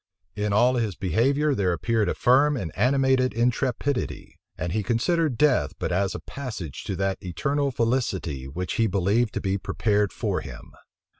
In all his behavior there appeared a firm and animated intrepidity; and he considered death but as a passage to that eternal felicity which he believed to be prepared for him.